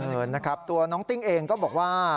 เออนะครับตัวน้องติ้งเองก็บอกว่า